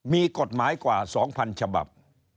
มีกฎหมายกว่า๒๐๐๐ฉบับ